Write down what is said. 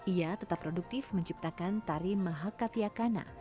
ia tetap produktif menciptakan tari mahakatiakana